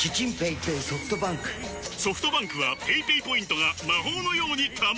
ソフトバンクはペイペイポイントが魔法のように貯まる！